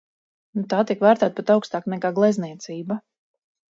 Tā tiek vērtēta pat augstāk nekā glezniecība.